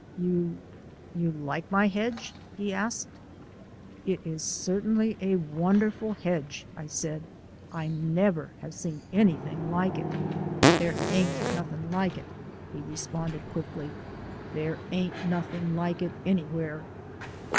"You you like my hedge?" he asked. "It is certainly wonderful hedge," I said. "I never have seen anything like it?" "The' AIN'T nothing like it," he responded, quickly. "The' ain't nothing like it anywhere."